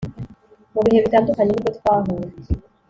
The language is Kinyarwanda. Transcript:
mu bihe bitandukanye nibwo twahuye